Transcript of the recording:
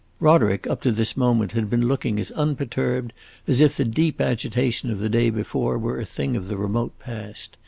Roderick, up to this moment, had been looking as unperturbed as if the deep agitation of the day before were a thing of the remote past.